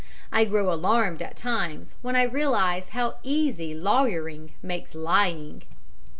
I grow alarmed at times when I realize how easy lawyering makes lying.